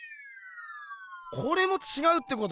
これもちがうってことか。